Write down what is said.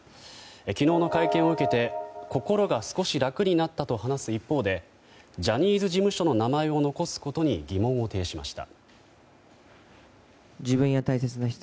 昨日の会見を受けて心が少し楽になったと話す一方で、ジャニーズ事務所の名前を残すことに疑問を呈しました。